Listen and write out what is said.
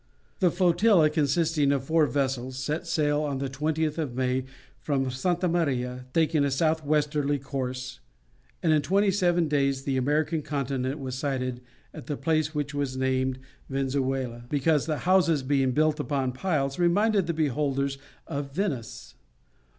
The flotilla, consisting of four vessels, set sail on the 20th of May from Santa Maria, taking a south westerly course, and in twenty seven days the American continent was sighted at the place which was named Venezuela, because the houses being built upon piles reminded the beholders of Venice.